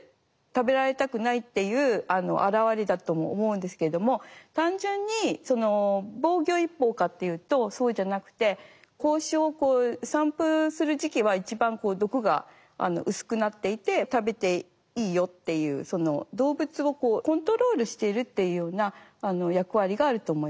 食べられたくないっていう表れだとも思うんですけれども単純に防御一方かっていうとそうじゃなくて胞子をこう散布する時期は一番毒が薄くなっていて食べていいよっていう動物をこうコントロールしてるっていうような役割があると思います。